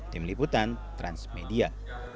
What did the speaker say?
tim liputan transmedia